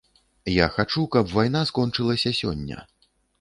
Я хачу, каб вайна скончылася сёння.